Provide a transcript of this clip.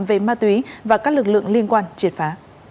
về ma túy và các lực lượng liên quan triệt phá